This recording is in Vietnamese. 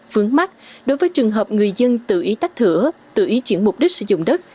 vướng mắt đối với trường hợp người dân tự ý tách thửa tự ý chuyển mục đích sử dụng đất